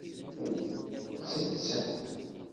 Ttett.